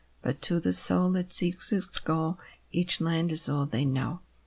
But to the soul that seeks its goal, Each land is all they know.